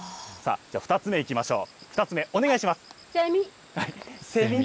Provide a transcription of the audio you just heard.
２つ目いきましょう。